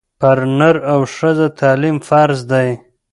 پر نر او ښځه تعلیم فرض دی